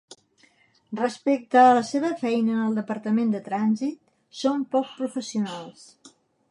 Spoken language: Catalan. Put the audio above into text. Respecte a la seva feina en el Departament de Trànsit són poc professionals.